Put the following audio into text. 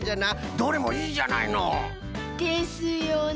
どれもいいじゃないの。ですよね。